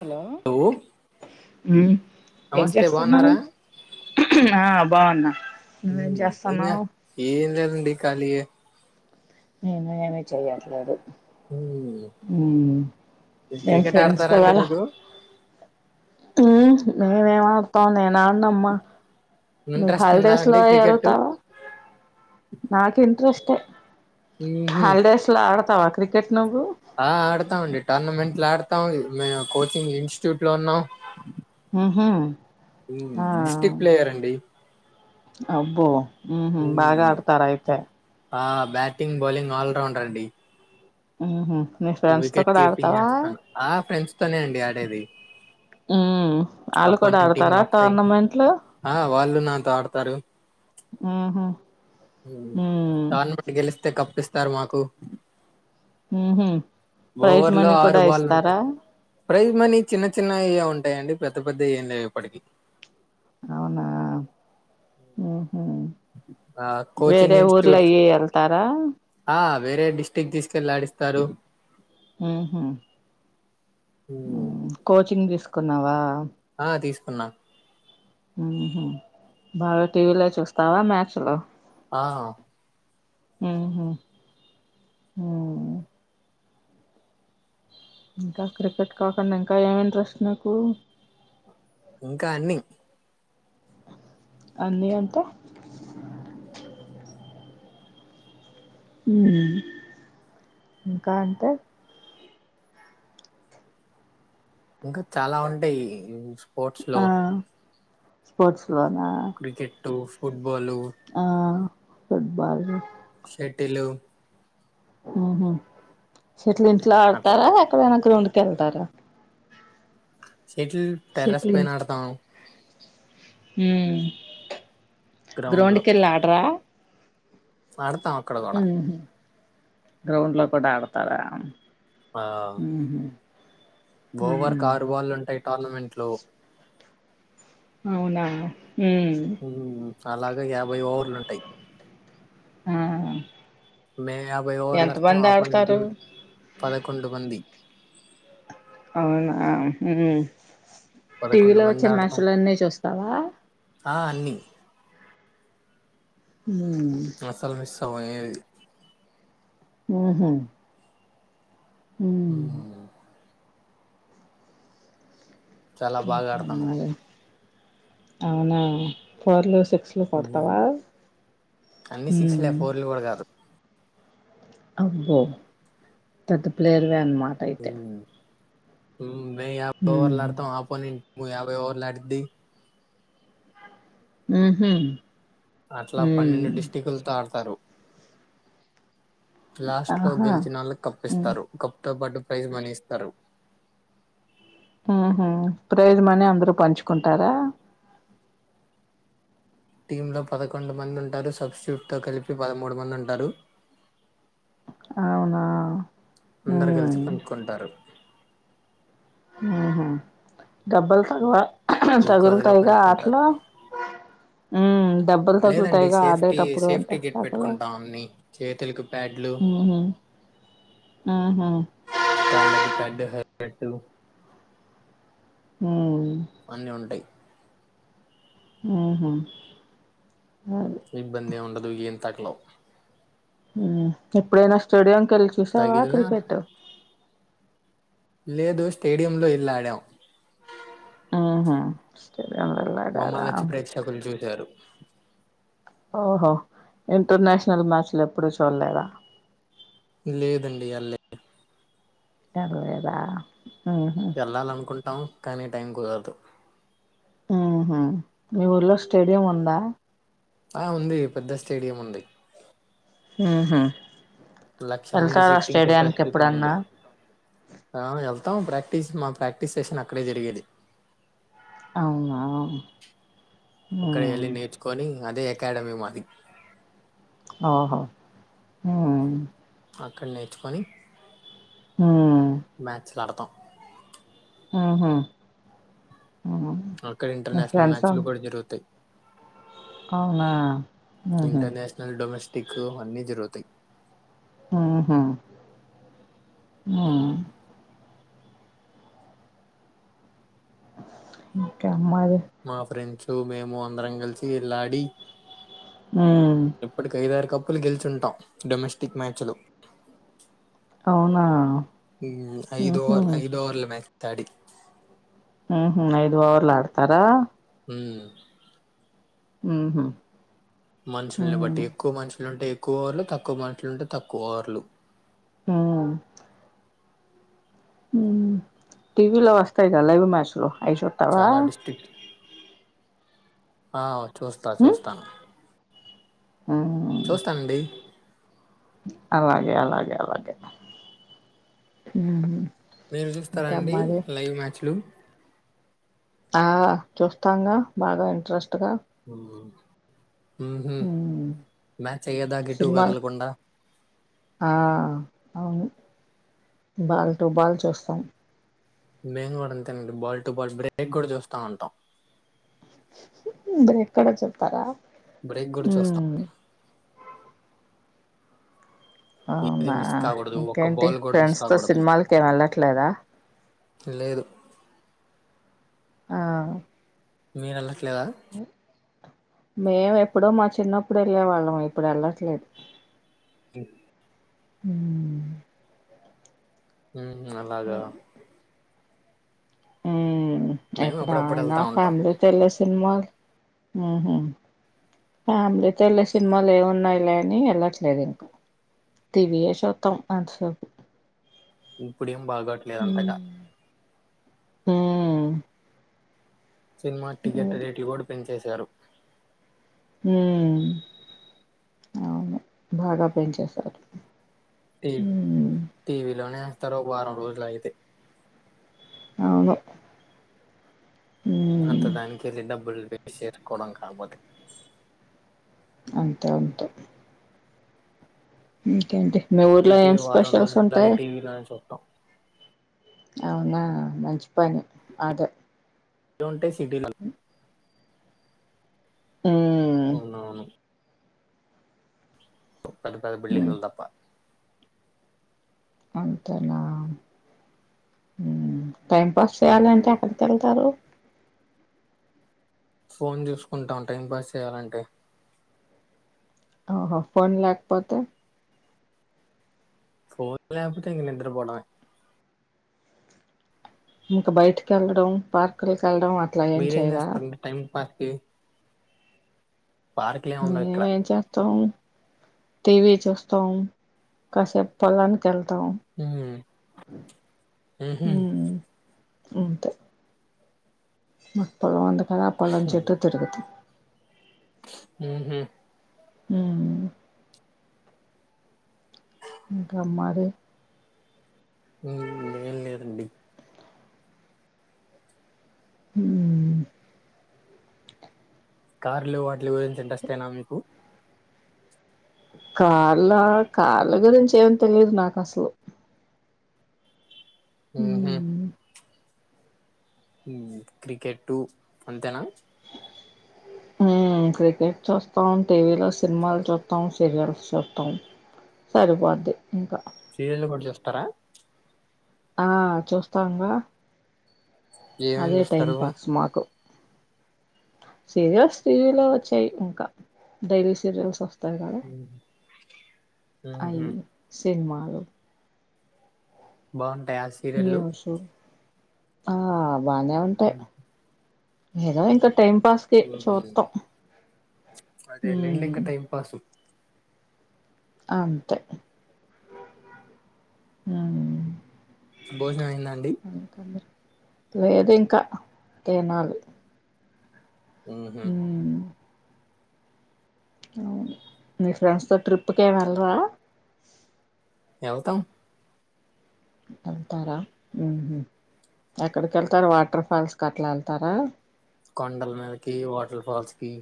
Hello మ్ ఏం నమస్తే చేస్తున్నావ్ బాగున్నారా ఆ బాగున్నా నువ్వేం చేస్తున్నావ్ ఏం లేదు డి కాలీయే నేను ఏమి చేయట్లేదు ఉమ్, మ్ క్రికెట్ ఫ్రెండ్స్ ఆడతారా తో అండి వెళ్ళాల మీకు ఉ నేనేమ్ ఆడతా నేన్ నానమ్మ ఇంట్రెస్ట్ ఉందా హాలిడేస్ లో అండి క్రికెట్ ఎల్తావా నాకు ఇంట్రెస్టే ఉహుం, హాలిడేస్ లో ఆడ తవా క్రికెట్ నువ్వు ఆ ఆడతా మండి టోర్నమెంట్ ఆడతా మేము కోచింగ్ ఇన్సిట్యూట్ లో ఉన్నాం హు హు ఆ డిస్ట్రిక్ట్ ప్లేయర్ అండి అబ్బో ఊహు బాగా ఉమ్, ఆడతార్ అయితే ఆ బ్యాటింగ్ బౌలింగ్ ఆల్ రౌండర్ అండి ఊహు వికెట్ కీపింగ్ జేస్తాను ఆ ఫ్రెండ్స్ తోనే అండి ఆడేది ఉ ఆళ్ళు కూడా అపోనెంట్ టీంలు ఆడతారా వస్తాయి టోర్నమెంట్లు ఆ వాళ్ళు నాతో ఆడతారు ఊహు ఉ టోర్నమెంట్ గెలిస్తే కప్పిస్తే తారు మాకు ఉహు ప్రైజ్ ఓవర్లో మనీ ఆరు కూడా బాల్ ఉంటాయి ఇస్తారా ప్రైజ్ మనీ చిన్న చిన్నవిగా ఉంటాయండి పెద్ద పెద్దవి ఏం లేవు ఇప్పటికీ అవునా ఉహు ఆ వేరే కోచింగ్ ఊర్లో ఇన్స్టిట్యూట్ అయి వెళ్తారా ఆ వేరే డిస్టిక్ తీసుకెళ్ ఆడిస్ తారు ఉహు హు ఉమ్, కోచింగ్ తిస్ కున్నావా ఆ తీసుకున్నా ఉహు బాగా టీవీలయి చూస్ తావా మ్యాచ్ లు ఆ ఉహు ఊ ఇంకా క్రికెట్ కాకుండా ఇంకా ఏమి ఇంట్రెస్ట్ నీకు ఇంకా అన్నీ అన్నీ అంటే ఉం ఇంకా అంటే ఇంకా చాలా ఉంటాయి స్పోర్ట్స్ లో ఆ స్పోర్ట్స్ లోనా క్రికెట్టు ఆ ఫుడ్బాల్ షెటిలు ఆహా సెటిల్ ఇంట్లో అట్లా ఆడతారా ఎక్కడైనా గ్రౌండ్ కి ఎళ్తారా సెటిల్ టెర్రెస్ పయిన ఆడతాం హు గ్రౌండ్ కెళ్ళి ఆడరా ఆడం అక్కడ కూడ ఉహు గ్రౌండ్ లొ కూడ ఆడతారా? ఆ ఉహు ఓవర్ కారు ఉమ్ బాల్ ఉంటాయి టార్నమెంట్ లో అవునా హు అలాగ యాభై ఓవర్లు ఉంటాయి. ఆ మే యాభై ఓవర్లర్థం ఎంతమంది ఆపోనెంట్ ఆడతారు టీం పదకొండు మంది అవునా పదకొండు టీవీలో మంది వచ్చే ఆడతాం మ్యాచులు అని చూస్తావా ఆ అన్ని ఉమ్ అసలు [unintelligible] పోయేది ఉహు మ్మ్ చాలా బాగా ఆడతాను అమ్మాయి అవునా [unintelligible] కొడతావా అన్ని సిక్స్ ఉమ్ లే ఫోర్లు కూడా కాదు అబో పేద్ద పిలేర్వన్మా మాట అయితే ఉమ్ మే యా హ్మ్ ఓవర్లులాడుతాం ఆపోనెంట్ మ యాభై ఓర్లాడి ది ఉహు అట్లా పన్నెండు డిస్టిక్లతో ఆడతారు లాస్ట్ లో ఆహా గెలిచిన వాళ్ళు కప్ హ్మ్ ఇస్తారు కప్ తో పాటు ప్రైజ మని ఇస్తారు ప్రైస్ మినీ అందరుూ పంచుకుంటారా టీమ్ లో పదకొండు మంది ఉంటారు సబ్స్టూట్ తో కలిపి పదమూడు మంది ఉంటారు అవునా అందరు హ్మ్ కలిసి పంచుకుంటారు దేబ్బల్ తగవా ఈక్వల్ గా తగులుతుగా ఆటలో పంచుకుంటారు మ్మ్ లేదండి సేఫ్టీ సేఫ్టీ గిట్ ఆటలో పెట్టుకుంటాం అన్ని చేతులలకు ప్యాడ్లు ఊహూ ఊహూ కాళ్ళకి ప్యాడ్లు పెట్లు ఉ [unintelligible] అన్నీ ఉంటాయి ఉహు ఇబ్బంది ఏం ఉండదు ఏం తగలవ్ ఎప్పుడైనా స్టేడియం కల్ చూషవా తగిలినా క్రికెట్ లేదు స్టేడియ లో వెళ్ల్ళడాం ఆహా మమ్మల్నొచ్చి ప్రేక్షకులు చూశారు ఓహో ఇంటర్నేషనల్ మ్యాచ్లు ఎప్పుడూ చూడలేరా లేదండి ఆడ్ లేదు టర్లేదా ఎళ్ళాలనుకుంటాం కానీ టైం కుదరదు ఊహూ మీ ఊర్లో స్టేడియం ఉందా ఆ ఉంది పెద్ద స్టేడియం ఉంది ఆహా లక్ష మంది సీట్టింగ్ కెపాసిటీతో ఉంది ఎప్పుడన్నా ఆ వెళ్తాం ప్రాక్టీస్ కి మా ప్రాక్టీస్ సెషన్ అక్కడే జరిగేది అవునా అక్కడ ఉమ్ ఎళ్ళి నేర్చుకొని అదే అకాడమి మాది ఆహ అ కల్నెత్తుకొని ఉమ్ మ్యాచ్లు ఆడతాం ఆహా అక్కడ ఇంటర్నేషనల్ మ్యాచ్ లు కూడా జరుగుతాయి అవునా ఉహు ఇంటర్నేషనల్ డొమెస్టిక్ అన్నీ జరుగుతాయి ఆహా ఆ ఇంకా మా ఫ్రెండ్స్ [unintelligible] మేము అందరం కలిసి వెళ్లాడి ఉమ్ ఎప్పుడు కైదారుకప్పు ప్పులు గెలుచుంటాం డొమెస్టిక్ మ్యాచ్లు అవునా [unintelligible] ఐదు ఉహు ఓవర్ ఐదు ఓవర్ల మ్యా తాడి ఆహా ఐదు ఓవర్లు ఆడతారా మ్మ్ మ్ హూ మనుషుల్ని బట్టి ఎక్కువ మనుషు షులు ఉంటే ఎక్కువ ఓవర్లు తక్కువ మనుషులుంటే తక్కువ ఓవర్లు ఆ ఊ టీవీలో వస్తాయి కద లైవ్ మ్యాచ్ ఐ సుతావా చాలా డిస్ట్రిక్ట్ ఆ చూస్తా చూస్తాను ఆ చూస్తానండి అలాగే అలాగే అలాగే ఉహు మీరు చూస్తారా అండి లైవ్ మ్యాచ్లు ఆ చూస్తాంగా బాగా ఇంట్రెస్ట్ గా ఆ ఉహు ఉమ్ మ్యాచ్ అయ్యే దాక ఎటు సినిమాలు కదలకుండా ఆ అవును బాల్ తో బాల్ చూస్తాం మేము కూడా అంతేనండి. బాల్ టు బాల్ బ్రేక్ కూడా చూస్తా ఉంటాం. ఎక్కడ చెప్తా బ్రేక్ గుడిచి వస్తాం ఏది అవునా మిస్ కాకూడదు ఒక్క ఇంకేంటి బాల్ కూడా మిస్ ఫ్రెండ్స్ తో కాకూడదు అని సినిమాలకి ఏం వెళ్ళట్లేదా. లేదు ఆ మీరలా లేదా మేము ఎప్పుడో మా చిన్నప్పుడు వెళ్ళే వాళ్ళం ఇప్పుడు వెళ్ళట్లేదు. హు హ్మ్ హ్మ్ అలాగా ఆ మేము ఎప్పుడు అప్పుడప్పుడు ఆయన వెళ్తా ఉంటాం ఫ్యామిలీ తెల్లి సినిమా ఉహు ఫ్యామిలీతో వెళ్ళే సినిమాలు ఏమి ఉన్నాయిలే అని వెళ్ళట్లేదు. ఇంకా టీవీయే చూత్తం అంతసేపు. ఇప్పుడేం బాగోట్లేదు అంతగా ఊ సినిమా టికెట్ రేటు కూడా పెంచేశారు. హ్మ్ అవును బాగా పెంచేసారు. టీ టీవి లోనే తరొక వారం రోజులు అయితే అవును ఉమ్ అంత దానికె డబ్బు ఇళ్ బషీర్ కుడం కామద్ అంతే ఉంటాయి హ ఇంకేంటి మీ ఊర్లో ఏం స్పెషల్స్ ఉంటాయి ట్ట అవునా మంచి పని అదే ఏం ఉంటాయి [unintelligible] ఉమ్ అవునవును పది పది బిల్డింగ్ ఉమ్ తప్ప అంతేనా టైం పాస్ చేయాలి అంటే మ్మ్. ఎక్కడికి వెళ్తారు ఫోన్ చూసుకుంటాం టైం పాస్ చేయాలంటే ఆహో ఫోన్ లేక పోతే ఫోన్ లేక పోతే ఇంకా నిద్ర పోవడమే ఇంకా బయటికి వెళ్ళడం పార్కులు వెళ్లడం అట్లా ఏం మీరేం చేయరా చేస్తారంటే టైం పాస్ కి పార్కులు ఏమి ఉండవు మేము ఇక్కడ ఏం చేస్తాం టీవీ చూస్తాం కాసేపు తర్వాత వెళ్తాం ఉమ్, ఉహుం, అంతే [unintelligible] మల్లా పాలెం చుట్టూ తిరుగుతాం హ అ ఇంకా మరిే ఏం లేదండి అ కార్లు వాటిల గురించి ఇంట్రెస్ట్ ఏ నా మీకు కార్ల కార్ల గురించి ఏం తెలిదు నాకు అసలు హ ఉహుం, క్రికెట్ అంతేనా క్రికెట్ చూస్తాం టీవీలో సినిమాలు చూస్తాం సీరియల్స్ చూస్తాం సరిపోద్ది ఇంకా సీరియల్ కూడా చూస్తారా ఆ చూస్తాంగా ఏమేమి అదే టైం చూస్తారు పాస్ మాకు సీరియల్స్ టీవీలో వచ్చాయి ఇంకా డైలీ సీరియల్స్ వస్తాయి ఉమ్, [unintelligible] అయి ఉహుం, సినిమాలు బాన్ ఆ సీరియల్లు న్యూస్ ఆ బానే ఉంటాయి ఏద ఇంక టైం పాస్కి చూద్దాం అదే లేండికా టైం పాస్ అంతే ఉ భోజనం అయింద అండి లేదు ఇంకా తినాలి హు ఉహుం, అవును మీ ఫ్రెండ్స్ తో ట్రిప్ కేమ్ వెళ్ళరా ఎల్తం వెళ్తారా ఉహు ఎక్కడికి వెళ్తారు వాట్ వాటర్ ఫాల్స్ అట్లా వెళ్తారా కొండల మీదకి వాటర్ ఫాల్స్ కి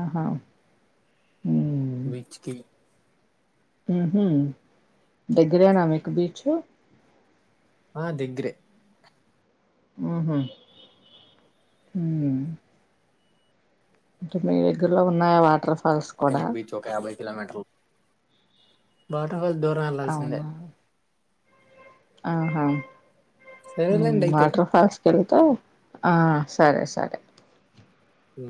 ఆహా బీచ్కి ఉహు దగ్గరేన మీకు బీచు ఆ దగ్గరే ఆహా హు అంటే మీ దగ్గరలో ఉన్నాయ వాటర్ ఫాల్స్ పక్కనే కూడా బీచ్ ఒక యాబై కిలోమీటరులు బాటా మేం దూరం ఏళ్లాల్సిందే అవునా ఆహా ఉ సరేలేండి అయితే వాటర్ ఫాల్స్ కెళ్తె ఆ సరే సరే హు